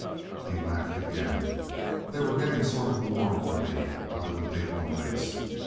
He laughed again. "They were getting sort of warm for me out in the big noise.